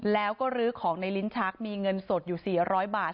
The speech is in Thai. แล้วก็ลื้อของในลิ้นชักมีเงินสดอยู่๔๐๐บาท